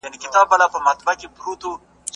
سوسیالیزم د سرمایه دارۍ پر ضد راغی.